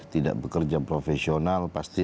tidak bekerja profesional pasti